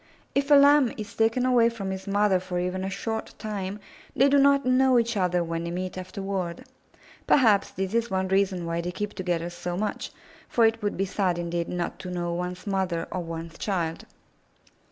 If a Lamb is taken away from his mother for even a short time, they do not know each other when they meet afterward. Perhaps this is one reason why they keep together so much, for it would be 258 IN THE NURSERY sad indeed not to know one's mother or one's child.